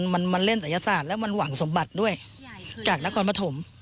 มันเล่นศัยศาสตร์แล้วมันหวังสมบัติด้วยจากนครปฐม